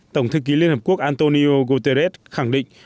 tổng thư ký liên hợp quốc antonio guterres khẳng định